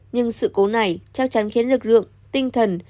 nhưng sự cố này chắc chắn khiến lực lượng tinh thần